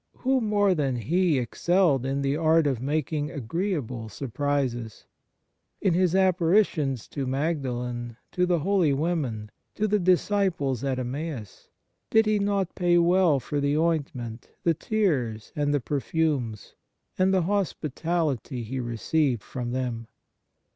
Who more than He excelled in the art of making agreeable surprises ? In His apparitions to Magdalen, to the holy women, to the disciples at Emmaus, did He not pay well for the ointment, the tears, and the perfumes, and the hospitality He received from them